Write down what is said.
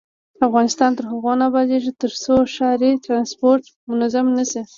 افغانستان تر هغو نه ابادیږي، ترڅو ښاري ترانسپورت منظم نشي.